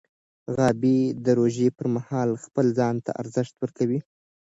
غابي د روژې پر مهال خپل ځان ته ارزښت ورکوي.